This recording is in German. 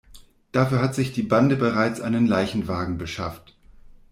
Dafür hat sich die Bande bereits einen Leichenwagen beschafft.